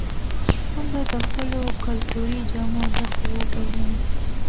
موږ باید د خپلو کلتوري جامو ارزښت وپېژنو.